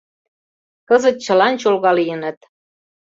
— Кызыт чылан чолга лийыныт.